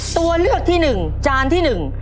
ตัวเลือกที่หนึ่งจานที่หนึ่ง